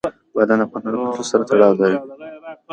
بادام د افغان کلتور سره تړاو لري.